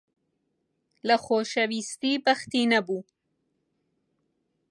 لە خۆشەویستی بەختی نەبوو.